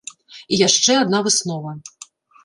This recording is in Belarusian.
І яшчэ адна выснова.